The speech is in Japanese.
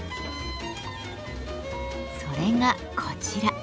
それがこちら。